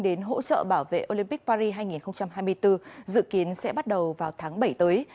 đến hỗ trợ bảo vệ olympic paris hai nghìn hai mươi bốn dự kiến sẽ bắt đầu vào tháng bảy tới